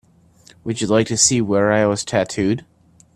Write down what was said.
Would you like to see where I was tattooed?